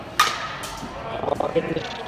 আমার বাবাকে চিনিস?